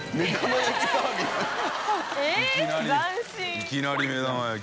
いきなり目玉焼き。